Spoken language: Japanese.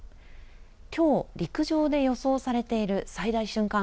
きょう陸上で予想されている最大瞬間